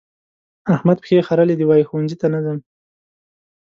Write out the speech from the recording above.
احمد پښې خرلې دي؛ وايي ښوونځي ته نه ځم.